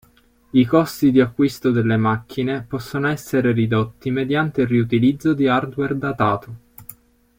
I costi di acquisto delle macchine possono essere ridotti mediante il riutilizzo di hardware datato.